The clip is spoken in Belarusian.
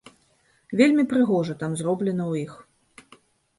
Вельмі прыгожа там зроблена ў іх.